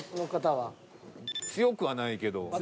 強くはないけど。